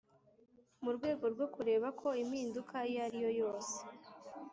Mu rwego rwo kureba ko impinduka iyo ariyo yose